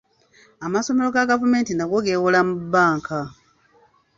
Amasomero ga gavumenti nago geewola mu bbanka.